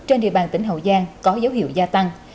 trên địa bàn tỉnh hậu giang có dấu hiệu gia tăng